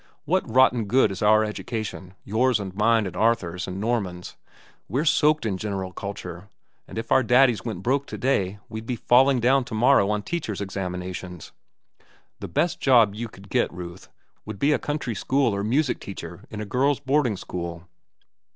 What rotten good is our education, yours and mine and Arthur's and Norman's? We're soaked in general culture, and if our daddies went broke to day, we'd be falling down to morrow on teachers' examinations. The best job you could get, Ruth, would be a country school or music teacher in a girls' boarding school."